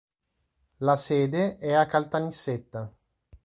La sede è a Caltanissetta.